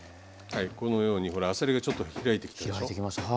このようにほらあさりがちょっと開いてきたでしょう？